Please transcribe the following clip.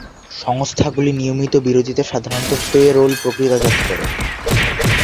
সংস্থাগুলি নিয়মিত বিরতিতে সাধারণত পে-রোল প্রক্রিয়াজাত করে।